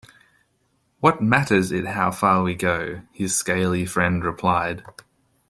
“What matters it how far we go?” his scaly friend replied.